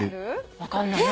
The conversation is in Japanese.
分かんない何？